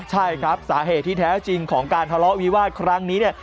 ใช่ครับสาเหตุที่แท้จริงของการทะเลาะวิวาสครั้งนี้เนี่ย